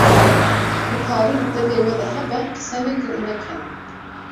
Ku parî di deve we de hebe qise neke û nekene